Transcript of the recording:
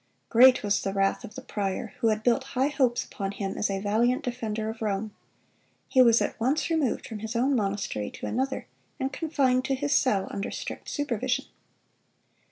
Great was the wrath of the prior, who had built high hopes upon him as a valiant defender of Rome. He was at once removed from his own monastery to another, and confined to his cell, under strict supervision.